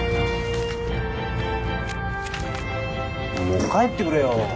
もう帰ってくれよ